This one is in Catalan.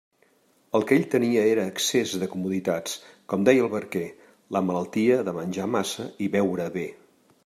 El que ell tenia era excés de comoditats, com deia el barquer; la malaltia de menjar massa i beure bé.